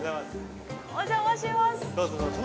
お邪魔します。